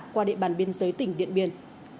qua địa bàn biên giới tỉnh điện biên